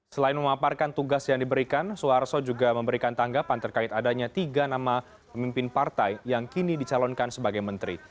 selain memaparkan tugas yang diberikan suharto juga memberikan tanggapan terkait adanya tiga nama pemimpin partai yang kini dicalonkan sebagai menteri